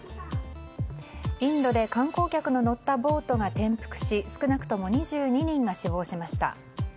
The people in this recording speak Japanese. インドで観光客の乗ったボートが転覆し少なくとも２２人が死亡しました。